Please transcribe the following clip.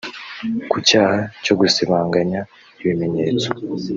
Ku cyaha cyo gusibanganya ibimenyetso